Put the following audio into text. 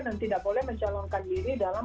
dan tidak boleh mencalonkan diri dalam